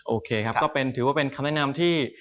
โอเคครับก็ถือว่าเป็นคำแนะนำที่